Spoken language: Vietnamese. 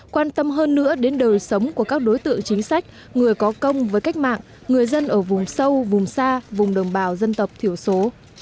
quan tâm hơn nữa đến đời sống của các đối tượng chính sách người có công với cách mạng người dân ở vùng sâu vùng xa vùng đồng bào dân tộc thiểu số